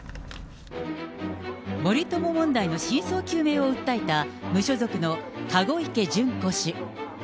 森友問題の真相究明を訴えた無所属の籠池諄子氏。